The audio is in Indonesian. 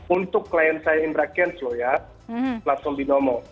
untuk klien saya indrakenz loh ya platform binomo